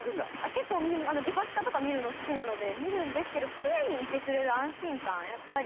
結構デパ地下とか見るの好きなので見るんですけど常にいてくれる安心感やっぱり。